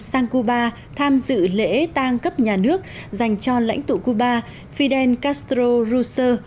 sang cuba tham dự lễ tang cấp nhà nước dành cho lãnh tụ cuba fidel castro russel